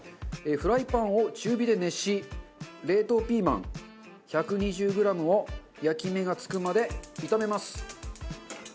フライパンを中火で熱し冷凍ピーマン１２０グラムを焼き目が付くまで炒めます。